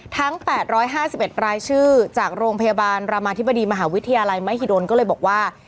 ทั้ง๘๕๑รายชื่อจากโรงพยาบาลรามาธิบดีมหาวิทยาลัยมหิดลก็เลยบอกว่า